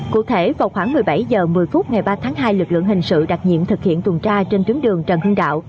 cụ thể vào khoảng một mươi bảy h một mươi phút ngày ba tháng hai lực lượng hình sự đặc nhiệm thực hiện tuần tra trên tuyến đường trần hương đạo